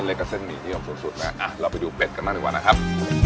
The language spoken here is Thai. ถ้าเล็กก็เส้นหมี่เยี่ยมสุดสุดนะอ่ะเราไปดูเป็ดกันด้านนี้ก่อนนะครับ